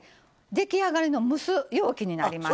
出来上がりの蒸す容器になります。